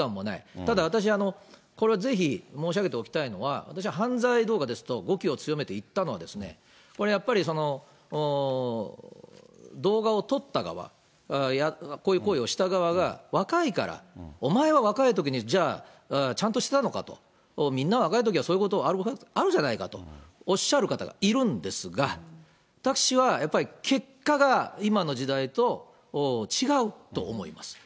ただ私、これはぜひ、申し上げて起きたのは、私は犯罪動画ですと語気を強めて言ったのは、これやっぱり、動画を撮った側、こういう行為をした側が、若いから、お前は若いときに、じゃあ、ちゃんとしてたのかと、みんな若いときはそういうことあるじゃないかとおっしゃる方がいるんですが、私はやっぱり、結果が今の時代と違うと思います。